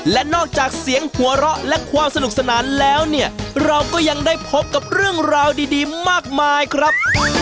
และนอกจากเสียงหัวเราะและความสนุกสนานแล้วเนี่ยเราก็ยังได้พบกับเรื่องราวดีมากมายครับ